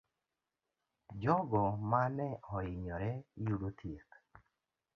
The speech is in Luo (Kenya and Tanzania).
Jogo mane oinyore yudo thieth.